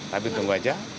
tapi tunggu aja